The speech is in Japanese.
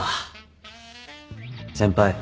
先輩。